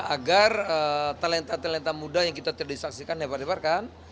agar talenta talenta muda yang kita terdiskripsikan nebar nebar kan